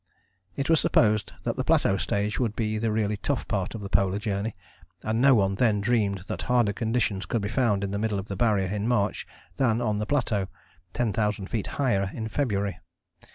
It was supposed that the Plateau stage would be the really tough part of the Polar Journey, and no one then dreamed that harder conditions could be found in the middle of the Barrier in March than on the Plateau, ten thousand feet higher, in February.